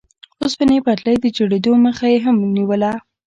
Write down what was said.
اوسپنې پټلۍ د جوړېدو مخه یې هم نیوله.